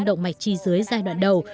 động mạch trí dưới giai đoạn đầu